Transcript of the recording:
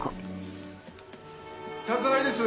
宅配です。